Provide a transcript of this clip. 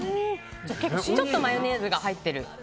ちょっとマヨネーズが入ってる。